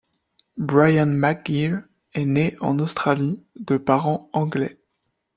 Brian McGuire est né en Australie, de parents anglais.